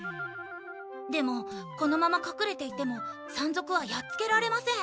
でもこのまま隠れていても山賊はやっつけられません。